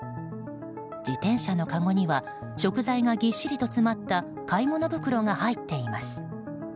自転車のかごには食材がぎっしりと詰まった買い物袋が入っています。